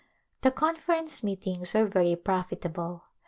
The Conference meetings were very profitable.